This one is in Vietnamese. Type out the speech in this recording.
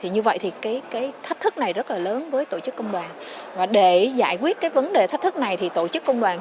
cái thách thức này rất là lớn với tổ chức công đoàn và để giải quyết cái vấn đề thách thức này thì tổ chức công đoàn